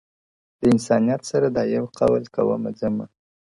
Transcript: د انسانیت سره دا یو قول کومه ځمه;